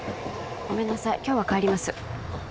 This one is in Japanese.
ごめんなさい今日は帰りますあっ